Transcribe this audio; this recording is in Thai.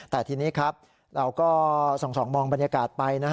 แต่ทีนี้ครับเราก็ส่องมองบรรยากาศไป